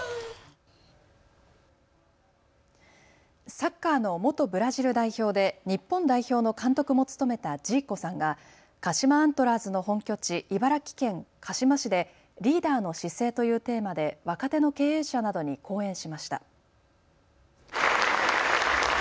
サッカーの元ブラジル代表で日本代表の監督も務めたジーコさんが鹿島アントラーズの本拠地、茨城県鹿嶋市でリーダーの姿勢というテーマで若手の経営者などに講演しました。